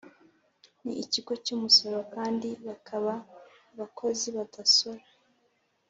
ni ikigo cy umusoro kandi bakaba abakozi badasora